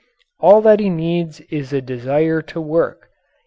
All that he needs is the desire to work.